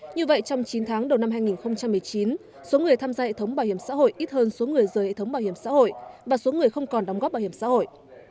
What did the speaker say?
như vậy trong chín tháng đầu năm hai nghìn một mươi chín số người tham gia hệ thống bảo hiểm xã hội ít hơn số người rời hệ thống bảo hiểm xã hội và số người không còn đóng góp bảo hiểm xã hội